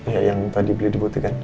ya yang tadi beli di butik kan